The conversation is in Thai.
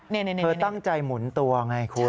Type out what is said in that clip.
เธอตั้งใจหมุนตัวไงคุณ